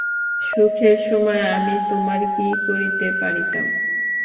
সুখের সময় আমি তোমার কি করিতে পারিতাম?